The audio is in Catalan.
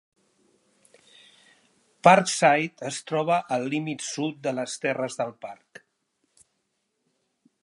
Parkside es troba al límit sud de les terres del parc.